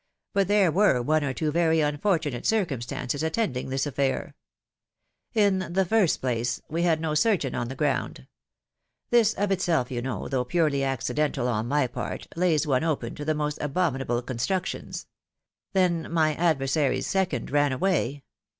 But there were one or two very unfortunate circum stances attending this affair. In the first place, we had no surgeon on the ground. This of itself you know, though purely accidental on my part, lays one open to the most abominable constructions. Then my adversary's second ran away.